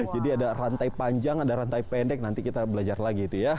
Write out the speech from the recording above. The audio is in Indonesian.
jadi ada rantai panjang ada rantai pendek nanti kita belajar lagi itu ya